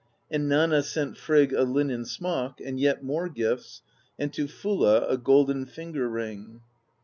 And Nanna sent Frigg a linen smock, and yet more gifts, and to Fulla a golden finger ring.